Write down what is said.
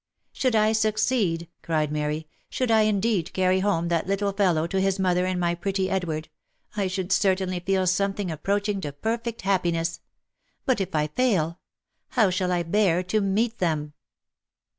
" Should I succeed !" cried Mary, " should 1 indeed carry home that little fellow to his poor mother and my pretty Edward, I should certainly feel something approaching to perfect happiness ! But if I fail ! how shall I bear to meet them